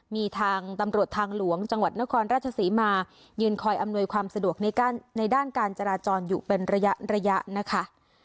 มีทางตำรวจทางหลวงจังหวัดนครราชศรีมายืนคอยอำนวยความสะดวกในด้านการจราจรอยู่เป็นระยะนะคะ